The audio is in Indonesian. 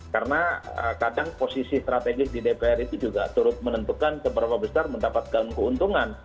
karena kadang posisi strategis di dpr itu juga menentukan seberapa besar mendapatkan keuntungan